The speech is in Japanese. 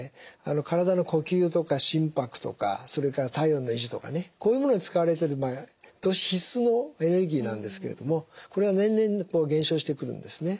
体の呼吸とか心拍とかそれから体温の維持とかねこういうものに使われている場合と脂質のエネルギーなんですけれどもこれは年々減少してくるんですね。